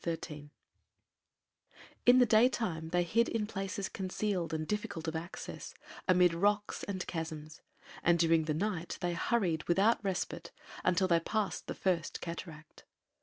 XIII In the daytime they hid in places concealed and difficult of access, amid rocks and chasms, and during the night they hurried, without respite, until they passed the First Cataract.